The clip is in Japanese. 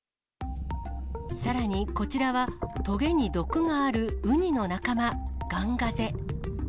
さらにこちらは、とげに毒があるウニの仲間、ガンガゼ。